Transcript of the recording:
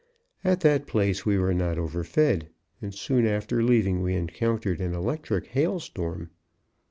At that place we were not overfed, and soon after leaving we encountered an electric hail storm.